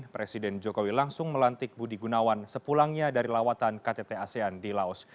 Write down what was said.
presiden jokowi langsung melantik budi gunawan sepulangnya dari lawatan ktt asean di laos